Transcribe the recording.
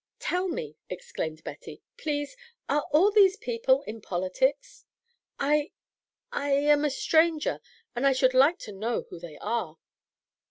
"Tell me," exclaimed Betty, "please are all these people in politics? I I am a stranger, and I should like to know who they are."